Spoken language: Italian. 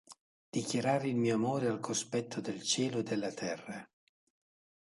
Dichiarare il mio amore al cospetto del cielo e della terra!